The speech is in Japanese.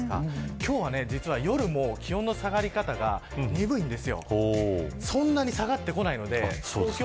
今日は実は夜も気温下がり方が鈍いです。